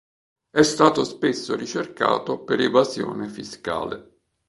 È stato spesso ricercato per evasione fiscale.